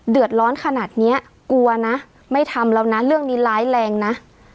เดือดร้อนขนาดนี้กลัวนะไม่ทำแล้วนะเรื่องนี้ร้ายแรงนะ